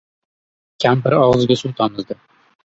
Kampiri og‘ziga suv tomizdi.